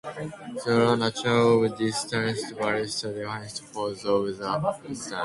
The nature of this stunt varies widely depending on the fears of the contestants.